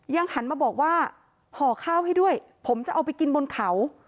หันมาบอกว่าห่อข้าวให้ด้วยผมจะเอาไปกินบนเขา